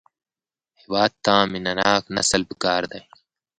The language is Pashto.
هېواد ته مینهناک نسل پکار دی